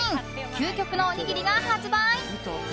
究極のおにぎりが発売。